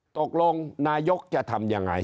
ตกลงนายกจะทำยังไง